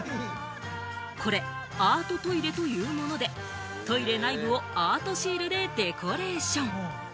これアートトイレというもので、トイレ内部をアートシールでデコレーション。